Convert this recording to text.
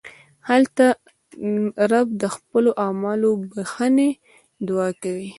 هلته رب نه د خپلو اعمالو د بښنې دعا کوئ.